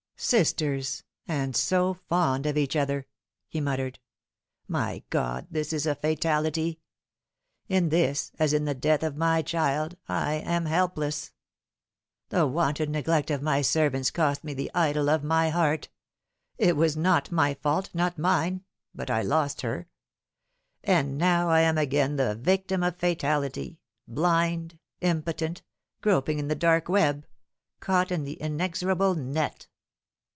" Sisters ! and so fond of each other !" he muttered. " My God, this is fatality ! In this, as in the death of my child, I am helpless. The wanton neglect of my servants cost me the idol of my heart. It was not my fault not mine but I lost her. And now I am again the victim of fatality blind, impotent groping in the dark web caught in the inexorable net."